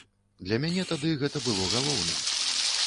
Для мяне тады гэта было галоўным.